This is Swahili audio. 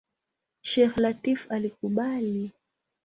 Sheikh Lateef alikubali.